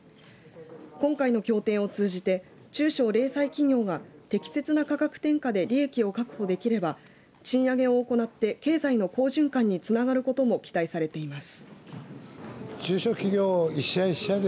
今回の協定を通じて中小零細企業が適切な価格転嫁で利益を確保できれば賃上げを行って経済の好循環につながることも期待されています。